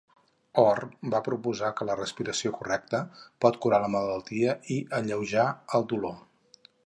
Orr va proposar que la respiració correcta pot curar la malaltia i alleujar el dolor.